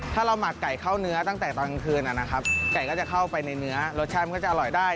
ถ้าเราหมักไก่เข้าเนื้อตั้งแต่ตอนกลางคืนนะครับไก่ก็จะเข้าไปในเนื้อรสชาติมันก็จะอร่อยได้